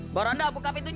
mbak ronda buka pintunya